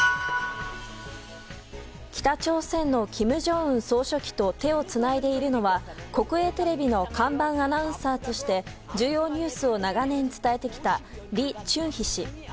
北朝鮮の金正恩総書記と手をつないでいるのは国営テレビの看板アナウンサーとして重要ニュースを長年伝えてきたリ・チュンヒ氏。